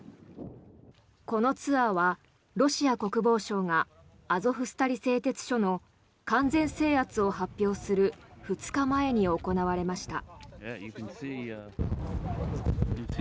このツアーはロシア国防省がアゾフスタリ製鉄所の完全制圧を発表する２日前に行われました。